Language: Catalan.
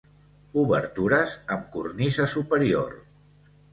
Obertures amb cornisa superior.